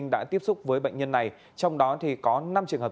đã tiếp xúc với bệnh nhân này trong đó thì có năm trường hợp